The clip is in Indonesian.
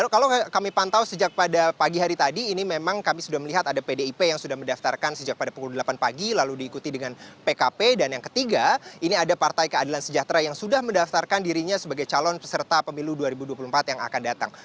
kalau kami pantau sejak pada pagi hari tadi ini memang kami sudah melihat ada pdip yang sudah mendaftarkan sejak pada pukul delapan pagi lalu diikuti dengan pkp dan yang ketiga ini ada partai keadilan sejahtera yang sudah mendaftarkan dirinya sebagai calon peserta pemilu dua ribu dua puluh empat yang akan datang